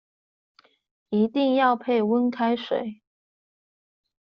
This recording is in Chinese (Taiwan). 一定要配溫開水